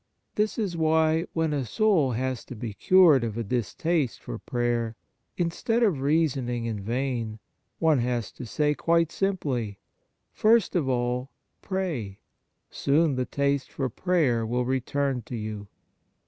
This is why, when a soul has to be cured of a distaste for prayer, instead of reasoning in vain, one has to say quite simply :" First of all, pray ; soon the taste for prayer will return to you."